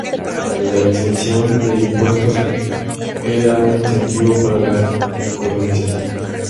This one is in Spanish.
La exención de impuestos era un incentivo para la colonización.